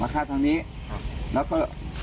มาฆ่าทางนี้แล้วก็